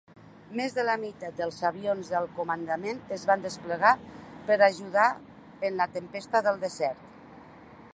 Més de la meitat dels avions del comandament es van desplegar per ajudar en la Tempesta del Desert.